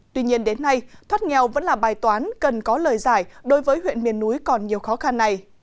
tuy nhiên đến nay thoát nghèo vẫn là bài toán cần có lời giải đối với huyện miền núi còn nhiều khó khăn này